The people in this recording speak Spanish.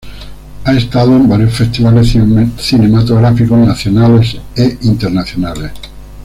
Ha estado en varios festivales cinematográficos nacionales e internaciones.